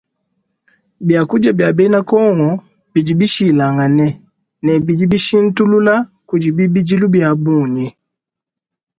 Biakudia bia bena congo bidi bishilangane ne bidi bishintulula kudi bibidilu bia bungi.